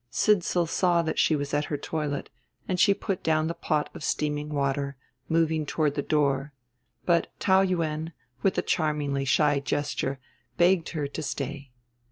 Sidsall saw that she was at her toilet, and she put down the pot of steaming water, moving toward the door; but Taou Yuen, with a charmingly shy gesture, begged her to stay.